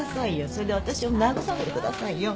朝まで私を慰めてくださいよ。